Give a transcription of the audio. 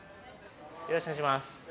よろしくお願いします